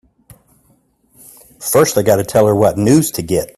First I gotta tell her what news to get!